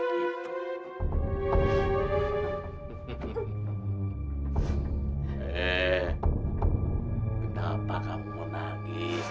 kenapa kamu menangis